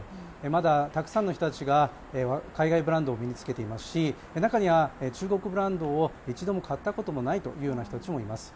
まだたくさんの人たちが海外ブランドを身につけていますし中には中国ブランドを一度も買ったことがないという人たちもいます。